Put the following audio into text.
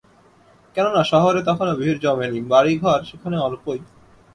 কেননা শহরে তখনো ভিড় জমে নি, বাড়িঘর সেখানে অল্পই।